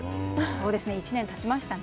１年経ちましたね。